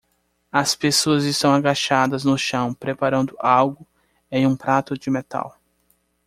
As pessoas estão agachadas no chão preparando algo em um prato de metal.